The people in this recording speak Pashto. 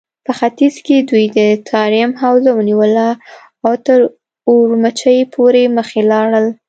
په ختيځ کې دوی د تاريم حوزه ونيوله او تر اورومچي پورې مخکې لاړل.